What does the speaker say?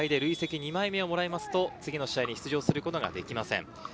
２枚目をもらいますと、次の試合に出場することができません。